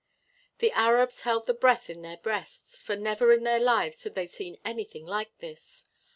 The Arabs held the breath in their breasts, for never in their lives had they seen anything like this.